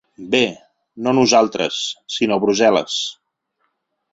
Bé, no nosaltres, sinó Brussel·les.